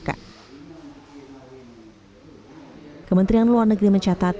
dan juga memiliki kesempatan untuk memperbaiki perubahan